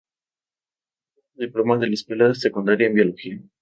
Obtuvo su diploma de la escuela secundaria en Biología.